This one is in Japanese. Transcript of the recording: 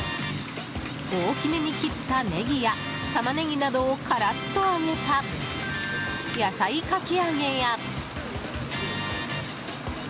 大きめに切ったネギやタマネギなどをカラっと揚げた野菜かき揚げや。